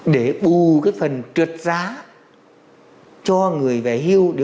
để bù cái phần trượt giá cho người về hưu